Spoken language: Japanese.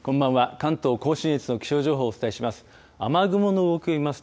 関東甲信越の気象情報をお伝えします。